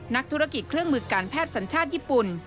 นักธุรกิจเครื่องมือการแพทย์สัญชาติญี่ปุ่น